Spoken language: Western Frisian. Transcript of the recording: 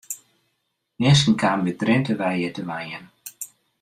Minsken kamen út Drinte wei hjir te wenjen.